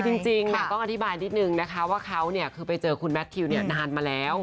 จริงต้องอธิบายนิดนึงนะคะว่าเขาคือไปเจอคุณแมททิวนานมาแล้ว